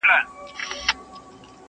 o يوه خبره د بلي خور ده٫